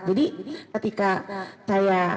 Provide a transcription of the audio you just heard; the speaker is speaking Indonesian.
jadi ketika saya